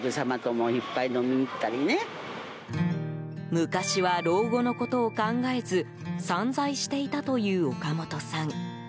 昔は老後のことを考えず散財していたという岡本さん。